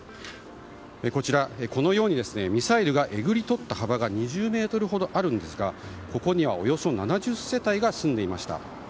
こちら、このようにミサイルがえぐりとった幅が２０ｍほどあるんですがここには、およそ７０世帯が住んでいました。